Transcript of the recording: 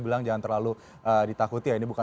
bilang jangan terlalu ditakuti ya ini bukan